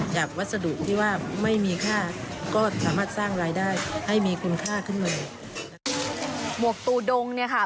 วัสดุที่ว่าไม่มีค่าก็สามารถสร้างรายได้ให้มีคุณค่าขึ้นมาหมวกตูดงเนี่ยค่ะ